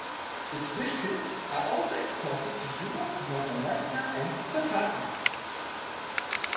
Its biscuits are also exported to Europe, North America and the Far East.